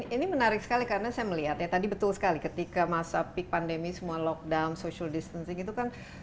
ini menarik sekali karena saya melihat ya tadi betul sekali ketika masa peak pandemi semua lockdown social distancing itu kan